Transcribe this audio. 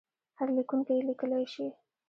هر لیکونکی یې لیکلای شي.